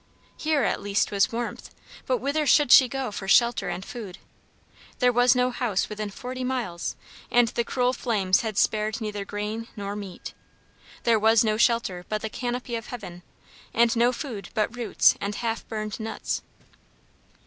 Here, at least, was warmth, but whither should she go for shelter and food. There was no house within forty miles and the cruel flames had spared neither grain nor meat. There was no shelter but the canopy of heaven and no food but roots and half burned nuts.